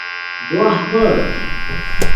دواہت بند